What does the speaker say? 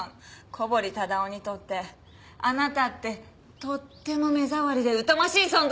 小堀忠夫にとってあなたってとっても目障りで疎ましい存在だったんじゃないかしら。